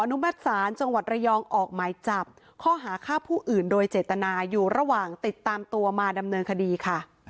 รายองออกไม้จับข้อหาค่าผู้อื่นโดยเจตนาอยู่ระหว่างติดตามตัวมาดำเนินคดีค่ะ